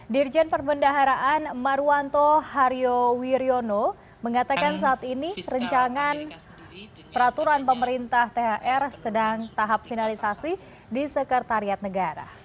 dirjen perbendaharaan marwanto haryo wiryono mengatakan saat ini peraturan pemerintah thr sedang tahap finalisasi di sekretariat negara